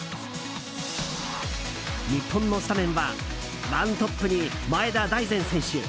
日本のスタメンは１トップに前田大然選手。